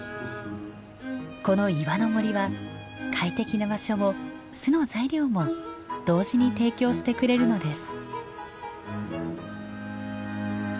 この岩の森は快適な場所も巣の材料も同時に提供してくれるのです。